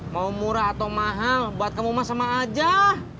mau murah atau mahal buat kamu mah sama aja